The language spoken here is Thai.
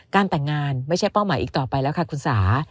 แต่งงานไม่ใช่เป้าหมายอีกต่อไปแล้วค่ะคุณสา